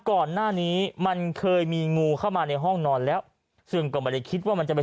ก่อนหน้านี้มันเคยมีงูเข้ามาในห้องนอนแล้วซึ่งก็ไม่ได้คิดว่ามันจะไป